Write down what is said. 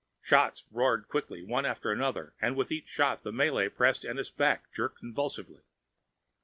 Shots roared quickly, one after another, and with each shot the Malay pressing Ennis back jerked convulsively.